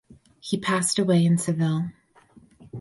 He passed away in Seville.